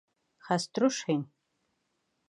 Хәстрүш һин!